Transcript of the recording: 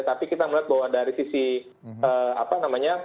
tapi kita melihat bahwa dari sisi apa namanya